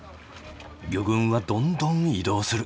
魚群はどんどん移動する。